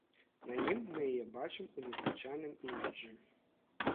На ім мы яе бачым у незвычайным іміджы.